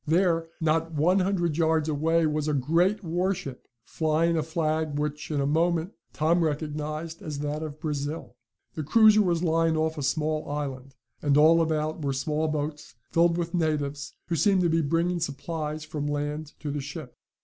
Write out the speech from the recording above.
There, not one hundred yards away, was a great warship, flying a flag which, in a moment, Tom recognized as that of Brazil. The cruiser was lying off a small island, and all about were small boats, filled with natives, who seemed to be bringing supplies from land to the ship.